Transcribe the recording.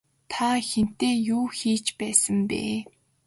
Та хэнтэй юу хийж байсан бэ?